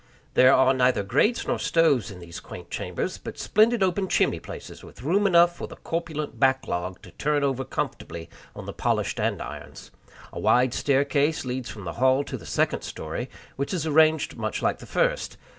There are neither grates nor stoves in these quaint chambers, but splendid open chimney places, with room enough for the corpulent back log to turn over comfortably on the polished andirons. A wide staircase leads from the hall to the second story, which is arranged much like the first.